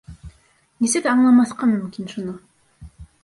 Нисек аңламаҫҡа мөмкин шуны.